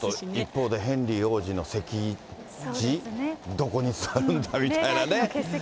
一方で、ヘンリー王子の席次、どこに座るんだみたいなね。